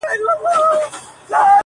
انسانيت له ازموينې تېريږي سخت,